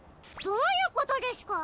どういうことですか？